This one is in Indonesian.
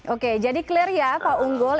oke jadi clear ya pak unggul